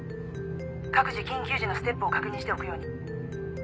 各自緊急時のステップを確認しておくように。